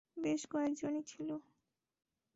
বেশ কয়েকজনই ছিল।